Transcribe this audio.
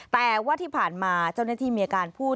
แต่ว่าที่ผ่านมาเจ้าหน้าที่มีอาการพูด